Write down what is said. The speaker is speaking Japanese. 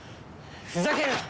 ふざけるな！